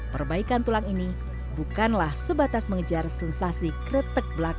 perbaikan tulang ini bukanlah sebatas mengejar sensasi kretek belak